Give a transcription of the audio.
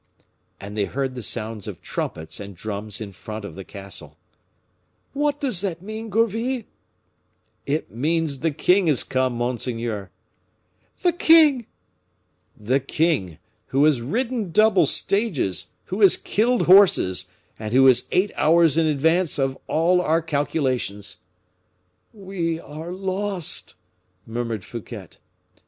And they heard the sounds of trumpets and drums in front of the castle. "What does that mean, Gourville?" "It means the king is come, monseigneur." "The king!" "The king, who has ridden double stages, who has killed horses, and who is eight hours in advance of all our calculations." "We are lost!" murmured Fouquet.